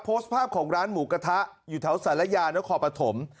โพสต์ภาพของร้านหมูกระทะอยู่แถวศรรยาเนาะขอบประถม